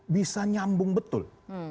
bisa nyambung betul